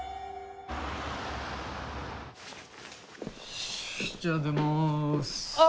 よしじゃあ出ます。